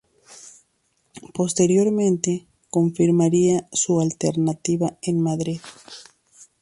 Posteriormente, confirmaría su alternativa en Madrid.